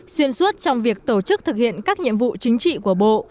xuyên suốt trong việc tổ chức thực hiện các nhiệm vụ chính trị của bộ